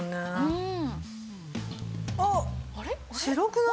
うん。